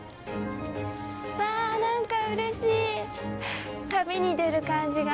わあ、なんかうれしい旅に出る感じが。